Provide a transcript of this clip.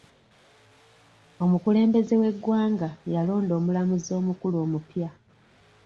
Omukulembeze w'eggwanga yalonda omulamuzi omukulu omupya.